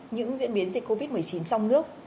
những diễn biến dịch covid một mươi chín trong nước